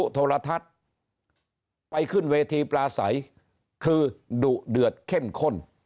โทรทัศน์ไปขึ้นเวทีปลาใสคือดุเดือดเข้มข้น